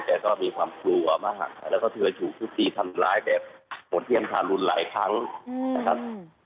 แต่ก็มีความกลัวมากแล้วก็เคยถูกทุบตีทำร้ายแบบโหดเยี่ยมทารุณหลายครั้งนะครับ